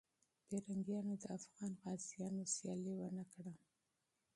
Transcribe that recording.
پرنګیانو د افغان غازیانو مقابله ونه کړه.